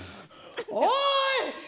おい！